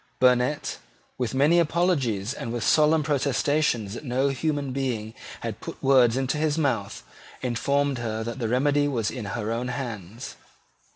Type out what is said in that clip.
Burnet, with many apologies and with solemn protestations that no human being had put words into his mouth, informed her that the remedy was in her own hands.